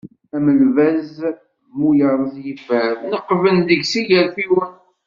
Am lbaz mu yerreẓ yifer, neqqben deg-s igerfiwen.